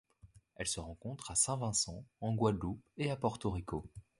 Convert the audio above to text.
Elle se rencontre à Saint-Vincent, en Guadeloupe et à Porto Rico.